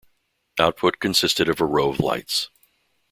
Output consisted of a row of lights.